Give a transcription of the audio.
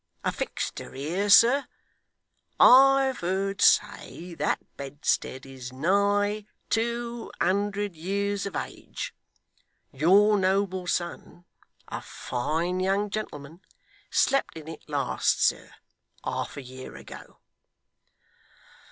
A fixter here, sir. I've heard say that bedstead is nigh two hundred years of age. Your noble son a fine young gentleman slept in it last, sir, half a year ago.